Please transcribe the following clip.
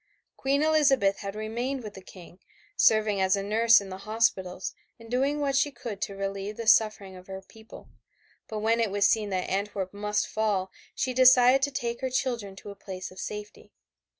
Queen Elizabeth had remained with the King, serving as a nurse in the hospitals and doing what she could to relieve the suffering of her people, but when it was seen that Antwerp must fall she decided to take her children to a place of safety.